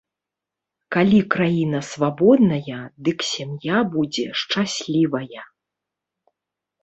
Калі краіна свабодная, дык сям'я будзе шчаслівая.